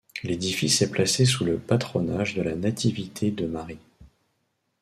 L'édifice est placé sous le patronage de la Nativité de Marie.